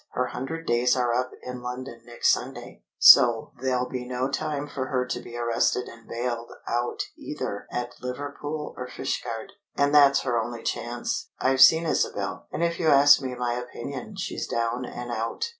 Her hundred days are up in London next Sunday. So there'll be no time for her to be arrested and bailed out either at Liverpool or Fishguard. And that's her only chance. I've seen Isabel, and if you ask me my opinion she's down and out."